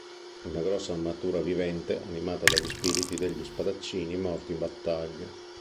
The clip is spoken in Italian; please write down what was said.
Una grossa armatura vivente, animata dagli spiriti degli spadaccini morti in battaglia.